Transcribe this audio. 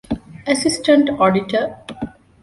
އެސިސްޓެންްޓް އޮޑިޓަރ